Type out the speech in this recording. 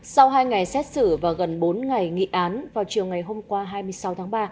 sau hai ngày xét xử và gần bốn ngày nghị án vào chiều ngày hôm qua hai mươi sáu tháng ba